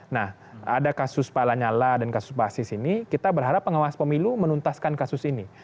nah ada kasus pak lanyala dan kasus basis ini kita berharap pengawas pemilu menuntaskan kasus ini